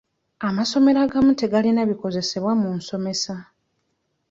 Amasomero agamu tegalina bikozesebwa mu musomesa.